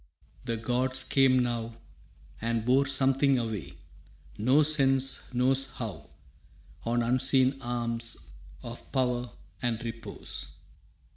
The gods came now And bore something away, no sense knows how, On unseen arms of power and repose.